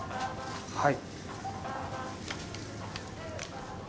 はい。